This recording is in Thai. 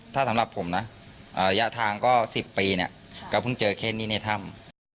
ถ้าสำหรับผมนะระยะทางก็๑๐ปีเนี่ยก็เพิ่งเจอแค่นี้ในถ้ำ